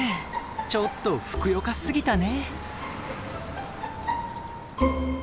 ちょっとふくよかすぎたね。